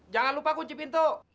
jangan lupa kunci pintu